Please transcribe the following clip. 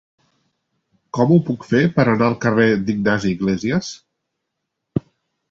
Com ho puc fer per anar al carrer d'Ignasi Iglésias?